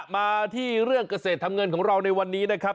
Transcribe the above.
มาที่เรื่องเกษตรทำเงินของเราในวันนี้นะครับ